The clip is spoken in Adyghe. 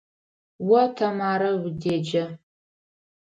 О Тэмарэ удеджэ.